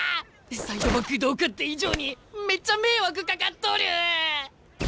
サイドバックどうかって以上にめっちゃ迷惑かかっとる！